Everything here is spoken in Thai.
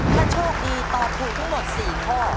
ถ้าโชคดีตอบถูกทั้งหมด๔ข้อ